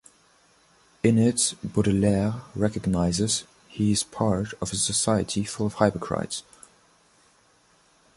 In it, Baudelaire recognizes that he is part of a society full of hypocrites.